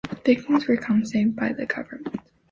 Victims were compensated by the government.